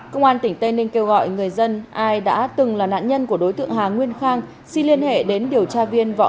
công an tỉnh tây ninh kêu gọi người dân ai đã từng là nạn nhân của đối tượng hà nguyên khang xin liên hệ đến điều tra viên võ